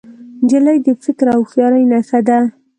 نجلۍ د فکر او هوښیارۍ نښه ده.